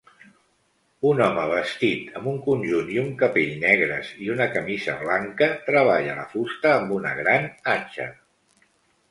Un home vestit amb un conjunt i un capell negres i una camisa blanca treballa la fusta amb una gran atxa